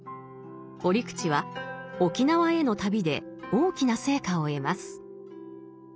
折口は沖縄への旅で大きな成果を得ます。